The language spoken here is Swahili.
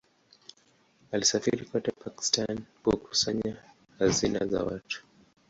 Alisafiri kote Pakistan kukusanya hazina za watu.